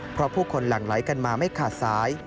เพราะผู้คนหลั่งไหลกันมาไม่ขาดสาย